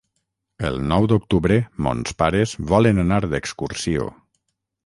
El nou d'octubre mons pares volen anar d'excursió.